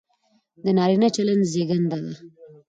د نارينه چلن زېږنده دى،